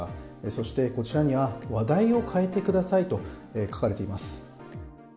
そしてこちらには、話題を変えてくださいと書かれています。